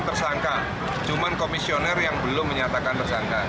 bersangka cuma komisioner yang belum menyatakan bersangka